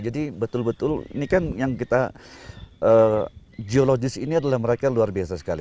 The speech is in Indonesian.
jadi betul betul ini kan yang kita geologis ini adalah mereka luar biasa sekali